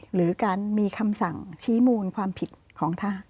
หรือการมีคำสั่งชี้มูลความผิดของทหาร